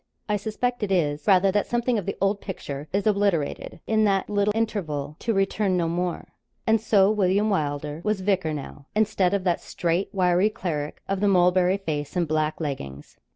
I suspect it is, rather, that something of the old picture is obliterated, in that little interval, to return no more. And so William Wylder was vicar now instead of that straight wiry cleric of the mulberry face and black leggings.